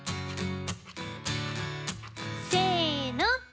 せの。